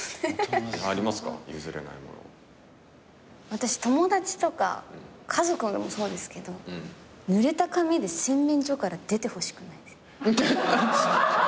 私友達とか家族でもそうですけどぬれた髪で洗面所から出てほしくないです。